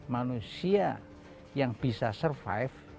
manusia yang bisa survive